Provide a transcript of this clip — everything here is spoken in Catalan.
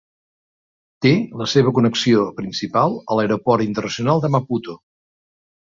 Té la seva connexió principal a l'Aeroport Internacional de Maputo.